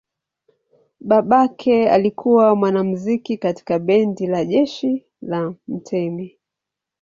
Babake alikuwa mwanamuziki katika bendi la jeshi la mtemi.